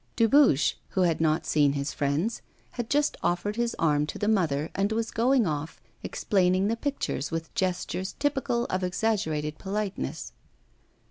Dubuche, who had not seen his friends, had just offered his arm to the mother, and was going off, explaining the pictures with gestures typical of exaggerated politeness.